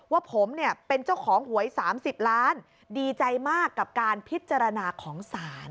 ว่าผมเนี่ยเป็นเจ้าของหวย๓๐ล้านดีใจมากกับการพิจารณาของศาล